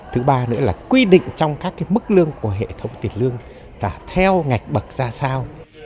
thứ ba nữa là quy định trong các mức lương của hệ thống tiền lương cả theo ngạch bậc ra sao